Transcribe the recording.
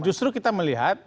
justru kita melihat